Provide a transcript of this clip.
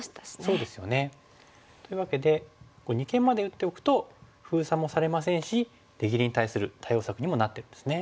そうですよね。というわけで二間まで打っておくと封鎖もされませんし出切りに対する対応策にもなってるんですね。